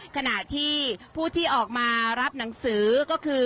ขณะที่ผู้ที่ออกมารับหนังสือก็คือ